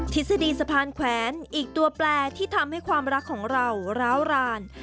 ทฤษฎีสะพานแขวนอีกตัวแปลที่ทำให้ความรักของเราร้าวราน